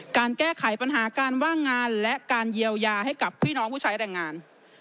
การแก้ไขปัญหาการว่างงานและการเยียวยาให้กับพี่น้องผู้ใช้แรงงาน